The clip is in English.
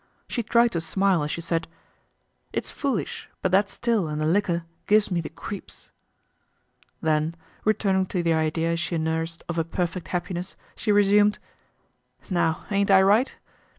She tried to smile as she said: "It's foolish, but that still and the liquor gives me the creeps." Then, returning to the idea she nursed of a perfect happiness, she resumed: "Now, ain't I right?